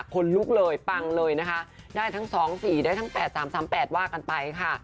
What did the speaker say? คนลุกเลยปังเลยนะคะได้ทั้ง๒๔ได้ทั้ง๘๓๓๘ว่ากันไปค่ะ